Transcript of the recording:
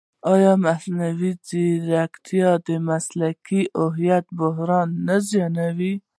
ایا مصنوعي ځیرکتیا د مسلکي هویت بحران نه زېږوي؟